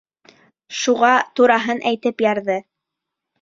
Шуға тураһын әйтеп ярҙы: